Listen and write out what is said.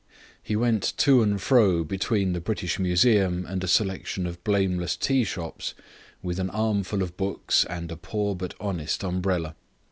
He went to and fro between the British Museum and a selection of blameless tea shops, with an armful of books and a poor but honest umbrella.